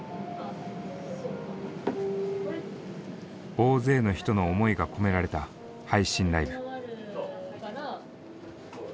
大勢の人の思いが込められた配信ライブ。